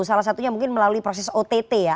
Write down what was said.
salah satunya mungkin melalui proses ott ya